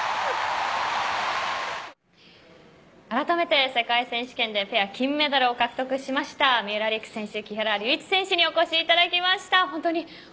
改めて、世界選手権でペア金メダルを獲得しました三浦璃来選手、木原龍一選手にお越しいただきました。